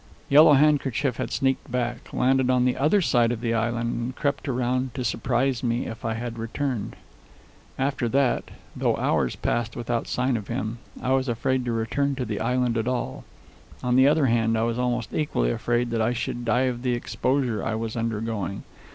Yellow Handkerchief had sneaked back, landed on the other side of the island, and crept around to surprise me if I had returned. After that, though hours passed without sign of him, I was afraid to return to the island at all. On the other hand, I was almost equally afraid that I should die of the exposure I was undergoing.